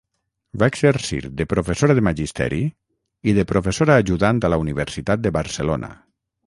Va exercir de professora de magisteri i de professora ajudant a la Universitat de Barcelona.